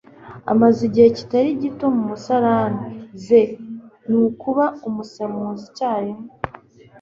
Amaze igihe kitari gito mu musarani. ze ni ukuba umusemuzi icyarimwe.